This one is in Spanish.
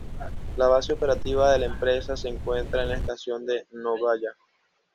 La base operativa de la empresa se encuentra en la estación de Nagoya.